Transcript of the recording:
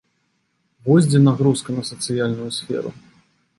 Вось дзе нагрузка на сацыяльную сферу.